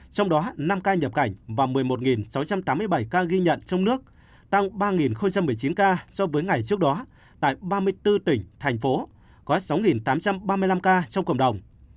trong đó năm ca nhập cảnh và một mươi một sáu trăm tám mươi bảy ca ghi nhận trong nước tăng ba một mươi chín ca so với ngày trước đó tại ba mươi bốn tỉnh thành phố có sáu tám trăm ba mươi năm ca trong cộng đồng